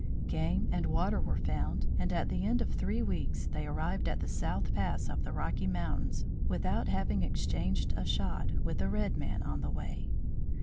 Game and water were found, and, at the end of three weeks, they arrived at the South Pass of the Rocky Mountains without having exchanged a shot with a red man on the way.